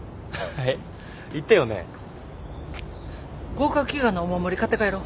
合格祈願のお守り買って帰ろう。